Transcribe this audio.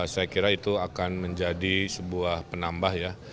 saya kira itu akan menjadi sebuah penambah ya